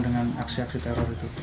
dengan aksi aksi teror itu